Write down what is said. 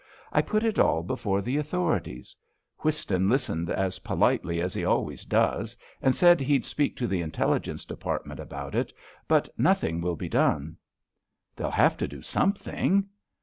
I put it all before the authorities. Whiston listened as politely as he always does, and said he'd speak to the Intelligence Department about it, but nothing will be done." "They'll have to do something."